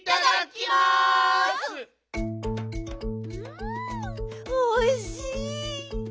んおいしい。